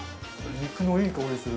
肉のいい香りする。